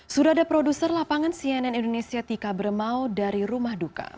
sudah ada produser lapangan cnn indonesia tika bermau dari rumah duka